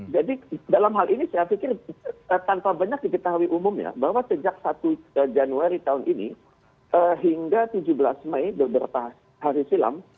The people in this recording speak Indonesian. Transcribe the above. jadi dalam hal ini saya pikir tanpa banyak diketahui umumnya bahwa sejak satu januari tahun ini hingga tujuh belas mei beberapa hari silam